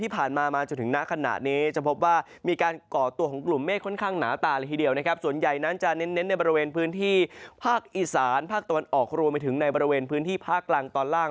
ผ้ากตะวันออกรวมไปถึงในบริเวณพื้นที่ภาคกลางตอนล่าง